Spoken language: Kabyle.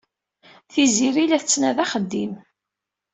Tiziri la tettnadi axeddim.